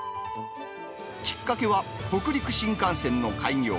きっかけは、北陸新幹線の開業。